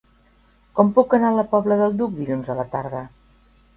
Com puc anar a la Pobla del Duc dilluns a la tarda?